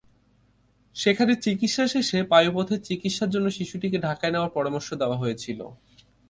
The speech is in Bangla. সেখানে চিকিৎসা শেষে পায়ুপথের চিকিৎসার জন্য শিশুটিকে ঢাকায় নেওয়ার পরামর্শ দেওয়া হয়েছিল।